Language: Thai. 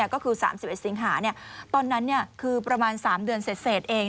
ก็คือ๓๑สิงหาตอนนั้นคือประมาณ๓เดือนเสร็จเอง